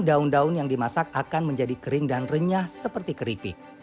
daun daun yang dimasak akan menjadi kering dan renyah seperti keripik